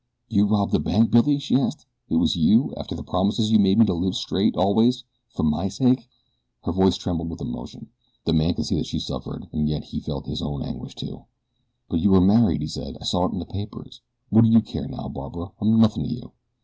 "You robbed the bank, Billy?" she asked. "It was you, after the promises you made me to live straight always for my sake?" Her voice trembled with emotion. The man could see that she suffered, and yet he felt his own anguish, too. "But you are married," he said. "I saw it in the papers. What do you care, now, Barbara? I'm nothing to you."